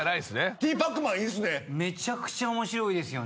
ティーパックマンいいですね。